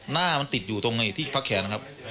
หน้ามันติดอยู่ตรงที่พักแขนนะครับ